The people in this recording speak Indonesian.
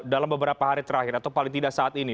dalam beberapa hari terakhir atau paling tidak saat ini